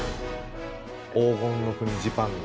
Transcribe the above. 黄金の国ジパング。